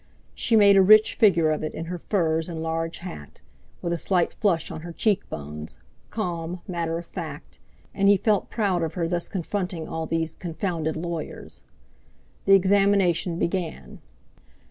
She made a rich figure of it, in her furs and large hat, with a slight flush on her cheek bones, calm, matter of fact; and he felt proud of her thus confronting all these "confounded lawyers." The examination began.